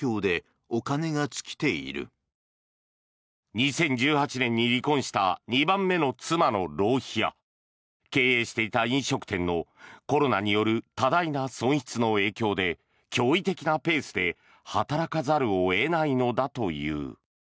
２０１８年に離婚した２番目の妻の浪費や経営していた飲食店のコロナによる多大な損失の影響で驚異的なペースで働かざるを得ないのだという。